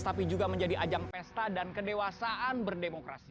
tapi juga menjadi ajang pesta dan kedewasaan berdemokrasi